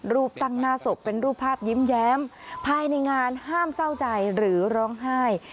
รูปตั้งหน้าศพเป็นรูปภาพยิ้มแย้มภายในงานห้ามเศร้าใจหรือร้องไห้